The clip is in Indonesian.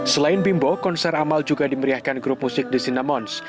selain bimbo konser amal juga dimeriahkan grup musik di sinamons